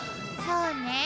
そうね。